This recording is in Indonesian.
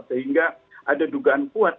sehingga ada dugaan puas